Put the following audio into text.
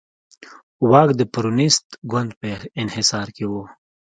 واک د پېرونېست ګوند په انحصار کې و.